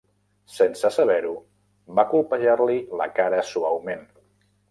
Sense saber-ho, va colpejar-li la cara suaument.